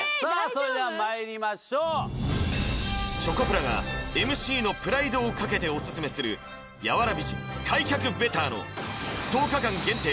それではまいりましょうチョコプラがＭＣのプライドをかけてオススメする柔ら美人開脚ベターの１０日間限定